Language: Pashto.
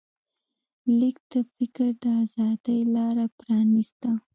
لیک د فکر د ازادۍ لاره پرانسته.